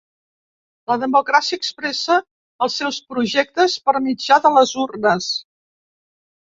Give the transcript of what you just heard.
La democràcia expressa els seus projectes per mitjà de les urnes.